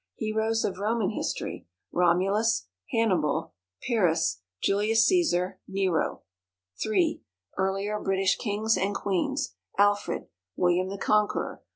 Heroes of Roman History. ROMULUS. HANNIBAL. PYRRHUS. JULIUS CÆSAR. NERO. III. Earlier British Kings and Queens. ALFRED. WILLIAM THE CONQUEROR.